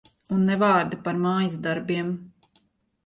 Un ne vārda par mājasdarbiem.